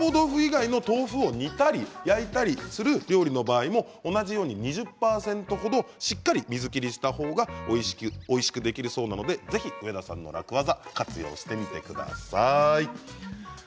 またマーボー豆腐以外の豆腐を煮たり焼いたりする料理の場合も同じように２０％ほどしっかり水切りしたほうがおいしくできるそうなのでぜひ上田さんの楽ワザを活用してみてください。